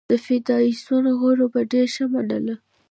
د فدراسیون غړو به ډېره ښه منله.